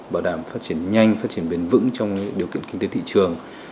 bảo đảm phát triển nhanh phát triển bền vững trong điều kiện kinh tế thị trường